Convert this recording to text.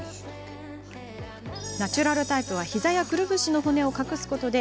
ナチュラルタイプはヒザやくるぶしの骨を隠すことで